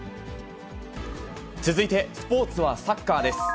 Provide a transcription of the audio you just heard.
続いてスポーツはサッカーです。